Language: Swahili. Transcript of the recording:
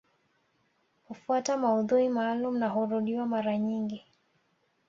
Hufuata maudhui maalumu na hurudiwa mara nyingi